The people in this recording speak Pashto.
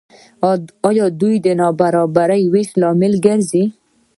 دوی د نابرابره وېش لامل ګرځي.